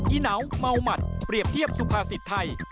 ีเหนาเมาหมัดเปรียบเทียบสุภาษิตไทย